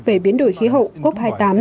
về biến đổi khí hậu cop hai mươi tám